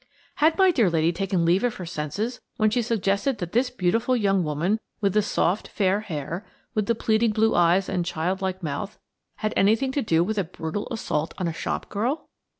Had my dear lady taken leave of her senses when she suggested that this beautiful young woman with the soft, fair hair, with the pleading blue eyes and childlike mouth, had anything to do with a brutal assault on a shop girl?